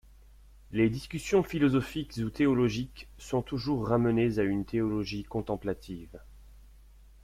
Les discussions philosophiques ou théologiques sont toujours ramenées à une théologie contemplative.